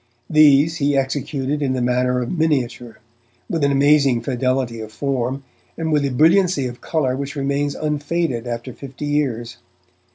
These he executed in the manner of miniature, with an amazing fidelity of form and with a brilliancy of colour which remains unfaded after fifty years.